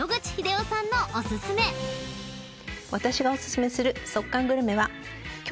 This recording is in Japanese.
私がお薦めする即完グルメは。